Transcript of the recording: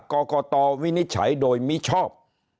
กรกตวินิจฉัยโดยมิชอบ